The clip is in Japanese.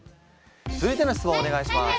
続いての質問お願いします。